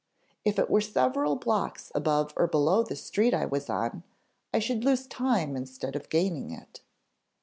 If it were several blocks above or below the street I was on, I should lose time instead of gaining it.